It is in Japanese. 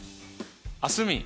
蒼澄